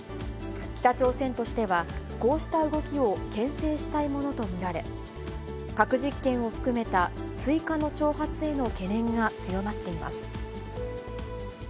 北朝鮮としては、こうした動きをけん制したいものと見られ、核実験を含めた追加の挑発への懸念が強まっています。